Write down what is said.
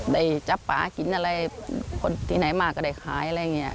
ได้จับป่ากินอะไรคนที่ไหนมาก็ได้ขายอะไรอย่างนี้